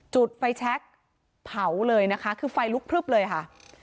จุดไฟแชคเผาเลยนะคะคือไฟลุกพลึบเลยค่ะ